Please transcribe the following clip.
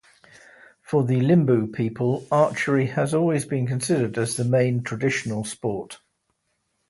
For the Limbu people, Archery has always been considered as the main traditional sport.